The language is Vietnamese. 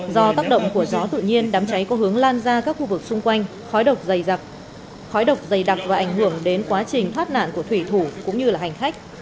do tác động của gió tự nhiên đám cháy có hướng lan ra các khu vực xung quanh khói độc dày đặc và ảnh hưởng đến quá trình thoát nạn của thủy thủ cũng như là hành khách